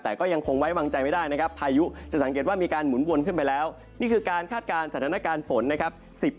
แต่ก็ยังคงไว้วางใจไม่ได้นะครับพายุจะสังเกตว่ามีการหมุนวนขึ้นไปแล้วนี่คือการคาดการณ์สถานการณ์ฝนนะครับ